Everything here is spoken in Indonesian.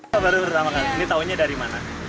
apa baru pertama kali ini taunya dari mana